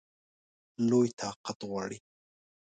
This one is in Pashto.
لوی طاقت غواړي.